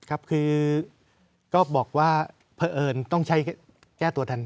ครับคือก็บอกว่าเพราะเอิญต้องใช้แก้ตัวทันที